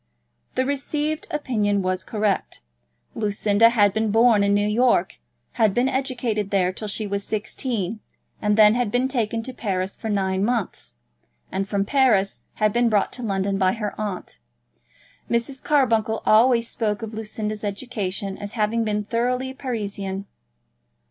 The received opinion was correct. Lucinda had been born in New York, had been educated there till she was sixteen, had then been taken to Paris for nine months, and from Paris had been brought to London by her aunt. Mrs. Carbuncle always spoke of Lucinda's education as having been thoroughly Parisian.